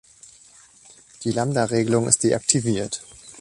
Die Lambda-Regelung ist deaktiviert.